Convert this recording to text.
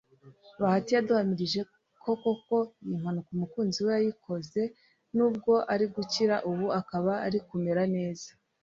Bahati yaduhamirije ko koko iyi mpanuka umukunzi we yayikoze nubwo ari gukira ubu akaba ari kumera neza